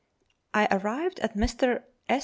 I arrived at Mr. S.